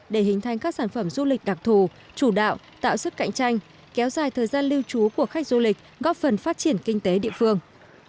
để hình thành các sản phẩm du lịch đặc thù chủ đạo tạo sức cạnh tranh kéo dài thời gian lưu trú của khách du lịch góp phần phát triển kinh tế địa phương